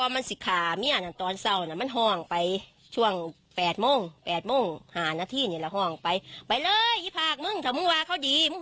นั่นแหละกะเจ้นมันถือเป็นเรื่องปกติ